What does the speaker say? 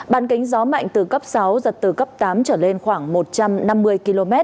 bàn kính gió mạnh từ cấp sáu giật từ cấp tám trở lên khoảng một trăm năm mươi km